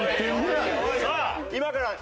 さあ今からね